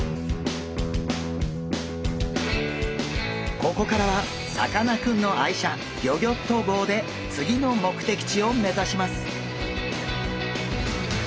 ここからはさかなクンの愛車ギョギョッと号で次の目的地を目指します。